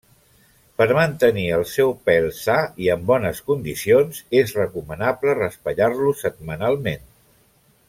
Per mantenir el seu pèl sa i en bones condicions, és recomanable raspallar-lo setmanalment.